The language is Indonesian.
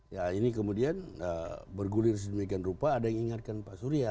ya ini kemudian bergulir sedemikian rupa ada yang ingatkan pak surya